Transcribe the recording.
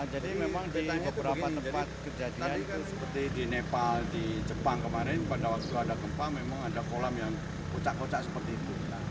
jadi memang di beberapa tempat kejadian itu seperti di nepal di jepang kemarin pada waktu ada gempa memang ada kolam yang kocak kocak seperti itu